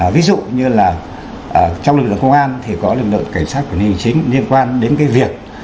ví dụ như là trong lực lượng công an thì có lực lượng cảnh sát của nền chính liên quan đến cái việc